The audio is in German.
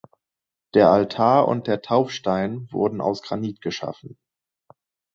Der Altar und der Taufstein wurden aus Granit geschaffen.